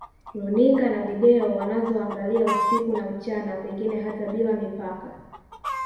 Runinga na Video wanazoangalia usiku na mchana pengine hata bila mipaka